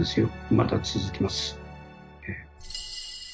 まだ続きます。